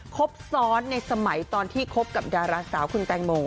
ครบซ้อนในสมัยตอนที่คบกับดาราสาวคุณแตงโม